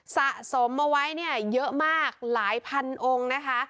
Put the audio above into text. สะสมมาไว้เยอะมากหลายพันองค์นะคะ